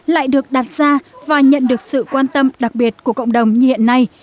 lại được đặt ra và nhận được sự quan tâm đặc biệt của cộng đồng như hiện nay